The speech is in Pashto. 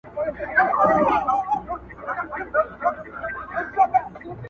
o زما د وطــن پيـــغـــــلو خو غمونــــه دي گاللي.